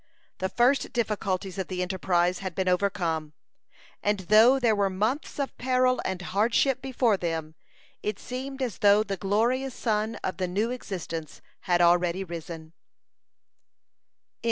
The first difficulties of the enterprise had been overcome, and though there were months of peril and hardship before them, it seemed as though the glorious sun of the new existence had already risen.